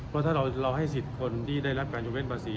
เพราะถ้าเราให้สิทธิ์คนที่ได้รับการยกเว้นภาษี